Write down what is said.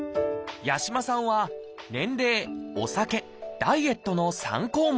八嶋さんは「年齢」「お酒」「ダイエット」の３項目。